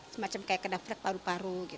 semacam kena flek paru paru